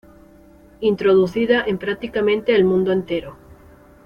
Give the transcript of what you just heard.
Introducida en prácticamente el mundo entero.